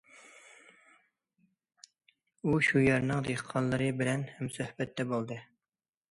ئۇ يەنە شۇ يەرنىڭ دېھقانلىرى بىلەن ھەمسۆھبەتتە بولدى.